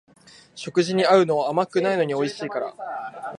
食事に合うのは甘くないのにおいしいから